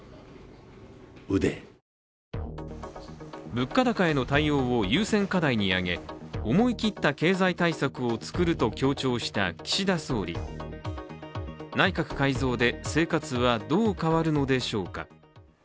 物価高への対応を優先課題に挙げ思い切った経済対策を作ると強調した岸田総理内閣改造で生活はどう変わるのでしょうか。